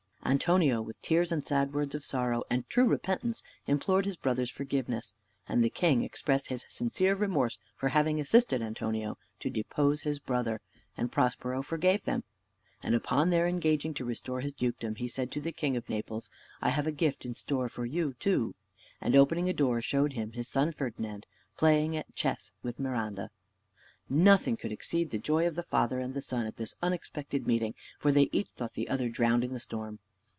Antonio with tears, and sad words of sorrow and true repentance, implored his brother's forgiveness, and the king expressed his sincere remorse for having assisted Antonio to depose his brother: and Prospero forgave them; and, upon their engaging to restore his dukedom, he said to the king of Naples, "I have a gift in store for you too;" and opening a door, showed him his son Ferdinand playing at chess with Miranda. Nothing could exceed the joy of the father and the son at this unexpected meeting, for they each thought the other drowned in the storm.